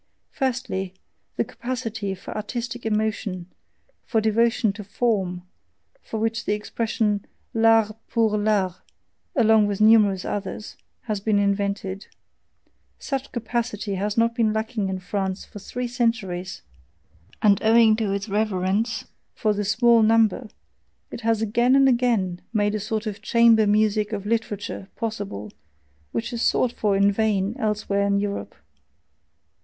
FIRSTLY, the capacity for artistic emotion, for devotion to "form," for which the expression, L'ART POUR L'ART, along with numerous others, has been invented: such capacity has not been lacking in France for three centuries; and owing to its reverence for the "small number," it has again and again made a sort of chamber music of literature possible, which is sought for in vain elsewhere in Europe.